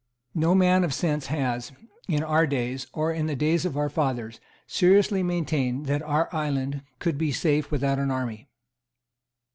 No man of sense has, in our days, or in the days of our fathers, seriously maintained that our island could be safe without an army.